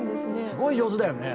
すごい上手だよね。